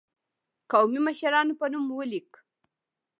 قومي مشرانو په نوم ولیک.